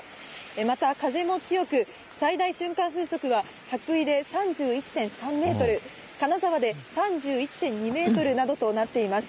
また、風も強く、最大瞬間風速は羽咋で３１．３メートル、金沢で３１．２メートルなどとなっています。